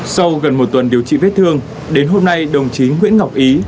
sau gần một tuần điều trị vết thương đến hôm nay đồng chí nguyễn ngọc ý